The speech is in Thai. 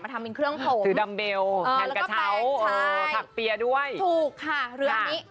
ทำเป็นเครื่องโผล่ถือดัมเบลทานกระเช้าผักเปียด้วยถูกค่ะเรือนี้